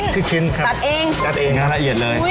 ตัดเองงานละเอียดเลย